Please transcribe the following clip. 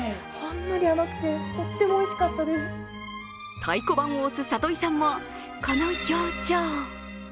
太鼓判を押す里井さんもこの表情。